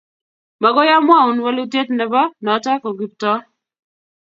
Magoi amwaun walutiet nebo notok koKiptooo